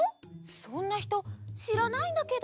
そんなひとしらないんだけど。